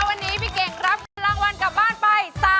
สรุปนะคะวันนี้พี่เก่งรับรางวัลกลับบ้านไป๓๕๐๐๐บาท